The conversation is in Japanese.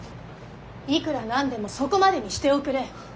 いくら何でもそこまでにしておくれ。